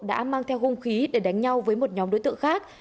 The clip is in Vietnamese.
đã mang theo hung khí để đánh nhau với một nhóm đối tượng khác